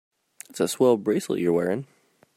That's a swell bracelet you're wearing.